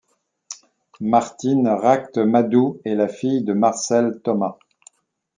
Martine Ract-Madoux est la fille de Marcel Thomas.